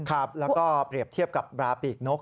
ครับแล้วก็เปรียบเทียบกับบราปีกนก